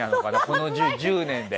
この１０年で。